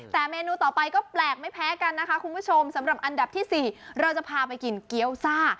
แต่เมนูต่อไปก็แปลกไม่แพ้กันนะคะคุณผู้ชมสำหรับอันดับที่๔เราจะพาไปกินเกี้ยวซ่า